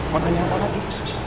mau tanya apa lagi